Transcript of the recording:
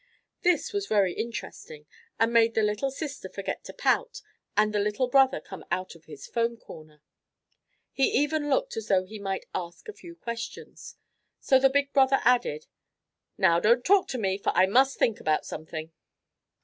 This was very interesting and made the little sister forget to pout and the little brother come out of his foam corner. He even looked as though he might ask a few questions, so the big brother added, "Now don't talk to me, for I must think about something."